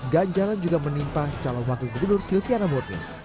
ganjalan juga menimpa calon wakil gubernur silviana murni